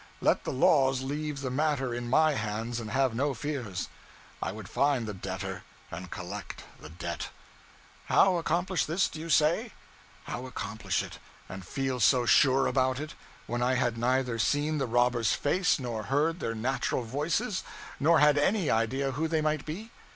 Let the laws leave the matter in my hands, and have no fears: I would find the debtor and collect the debt. How accomplish this, do you say? How accomplish it, and feel so sure about it, when I had neither seen the robbers' faces, nor heard their natural voices, nor had any idea who they might be?